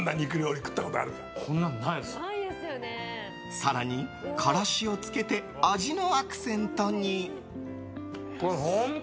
更に、からしをつけて味のアクセントに。